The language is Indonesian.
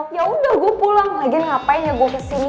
yaudah gue pulang lagi ngapain ya gue kesini